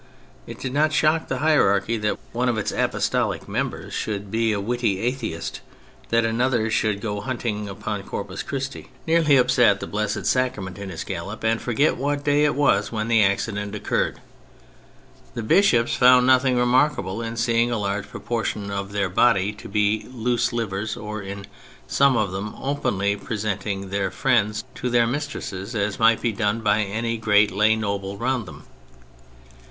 It did not shock the hierarchy that one of its Apostolic members should be a witty atheist; that another should go hunting upon Corpus Christi, nearly upset the Blessed I THE CATHOLIC CHURCH 227 Sacrament in his gallop, and forget what day it was when the accident occurred. The bishops found nothing remarkable in seeing a large proportion of their body to be loose livers, or in some of them openly presenting their friends to their mistresses as might be done by any gi'eat lay noble round them.